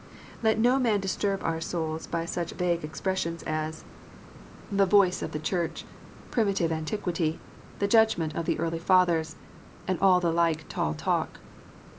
Let no man disturb our souls by such vague expressions as " the APOSTOLIC FEARS. 395 voice of the Church, primitive antiquity, the judgment of the early Fathers," and the like tall talk.